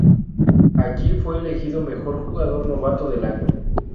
Allí fue elegido mejor jugador novato del año.